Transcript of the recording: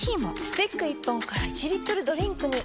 スティック１本から１リットルドリンクに！